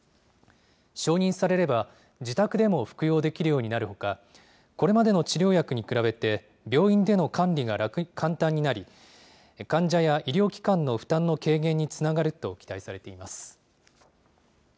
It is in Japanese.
承認されれば、自宅でも服用できるようになるほか、これまでの治療薬に比べて、病院での管理が簡単になり、患者や医療機関の負担の軽減につながると期待されています。